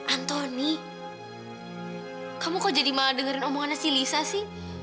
antoni kamu kok jadi malah dengerin omongannya si lisa sih